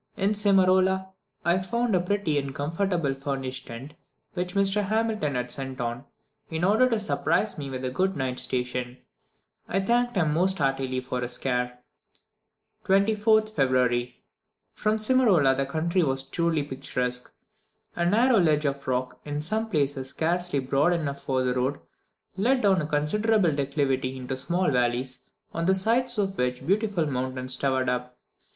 In Simarola, I found a pretty and comfortably furnished tent, which Mr. Hamilton had sent on, in order to surprise me with a good night station. I silently thanked him most heartily for his care. 24th February. From Simarola the country was truly picturesque. A narrow ledge of rock, in some places scarcely broad enough for the road, led down a considerable declivity into small valleys, on the sides of which beautiful mountains towered up.